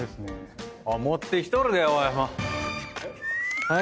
持ってきとるでおい。